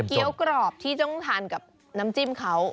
ี้ยวกรอบที่ต้องทานกับน้ำจิ้มเขา